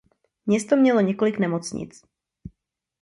Město mělo několik nemocnic.